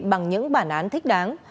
bằng những bản án thích đáng